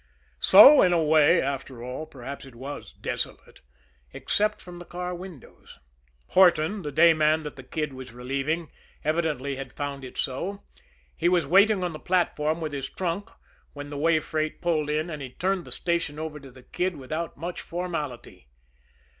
So, in a way, after all, perhaps it was desolate except from the car windows. Horton, the day man that the Kid was relieving, evidently had found it so. He was waiting on the platform with his trunk when the way freight pulled in, and he turned the station over to the Kid without much formality.